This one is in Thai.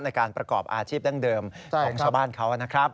ในการประกอบอาชีพดั้งเดิมของชาวบ้านเขานะครับ